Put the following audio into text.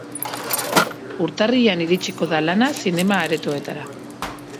Urtarrilean iritsiko da lana zinema-aretoetara.